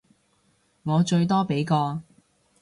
我最多畀個